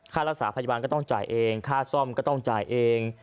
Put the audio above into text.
ค่ารักษาพยาบาลก็ต้องจ่ายเองค่าซ่อมก็ต้องจ่ายเอง